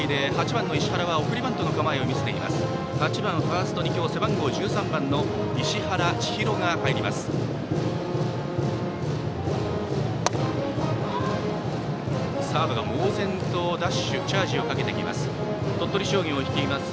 ８番ファーストに今日、背番号１３番の石原知紘が入ります。